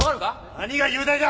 何が雄大だ！